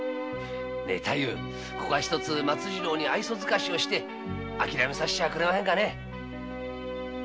ここは松次郎に愛想づかしをしてあきらめさせてくれませんかね。